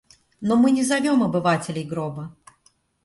Но мы не зовем обывателей гроба.